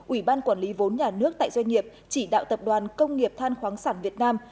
ủy ban quản lý vốn nhà nước tại doanh nghiệp chỉ đạo tập đoàn công nghiệp than khoáng sản việt nam